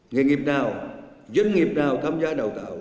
nghề nghiệp nào doanh nghiệp nào tham gia đào tạo